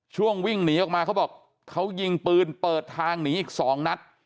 วิ่งหนีออกมาเขาบอกเขายิงปืนเปิดทางหนีอีก๒นัด